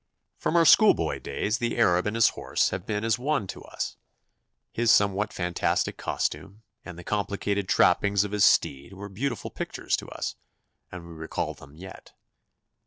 From our school boy days the Arab and his horse have been as one to us. His somewhat fantastic costume and the complicated trappings of his steed were beautiful pictures to us, and we recall them yet.